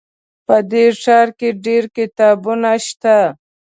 په دې ښار کې ډېر کتابتونونه شته